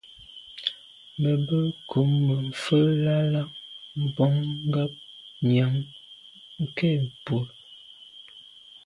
Me be kum mfelàlà fotngab nyàm nke mbwe.